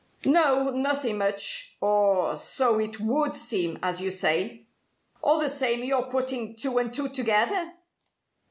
"No. Nothing much. Or so it 'would seem', as you say." "All the same you're putting two and two together?"